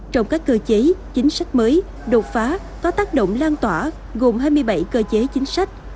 trong các cơ chế chính sách mới đột phá có tác động lan tỏa gồm hai mươi bảy cơ chế chính sách